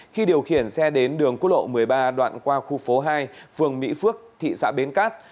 khi điều khiển xe đến đường quốc lộ một mươi ba đoạn qua khu phố hai phường mỹ phước thị xã bến cát